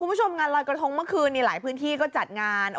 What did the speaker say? คุณผู้ชมงานลอยกระทงเมื่อคืนนี้หลายพื้นที่ก็จัดงาน